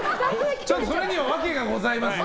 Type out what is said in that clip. それには訳がございまして。